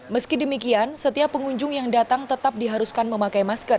meski demikian setiap pengunjung yang datang tetap diharuskan memakai masker